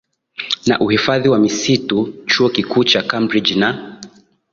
na uhifadhi wa misitu Chuo Kikuu cha Cambridge na